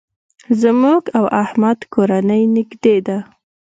زموږ او احمد کورنۍ نېږدې ده.